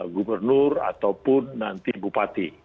gubernur ataupun nanti bupati